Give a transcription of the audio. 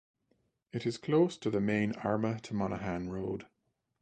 It is close to the main Armagh to Monaghan road.